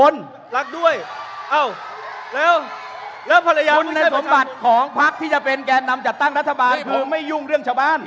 รักด้วยเอ้าแล้วแล้วภรรยาคนในสมบัติของพลักษณ์ที่จะเป็นแกนำจัดตั้งรัฐบาลคือไม่ยุ่งเรื่องชาวบ้าน